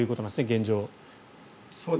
現状。